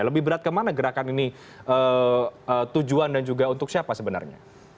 lebih berat kemana gerakan ini tujuan dan juga untuk siapa sebenarnya